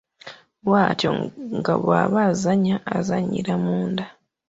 Bwatyo nga bw’aba azannya azannyira munda.